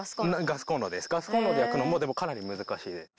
ガスコンロで焼くのもかなり難しい。